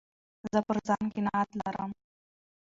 زه پر ځان قناعت لرم.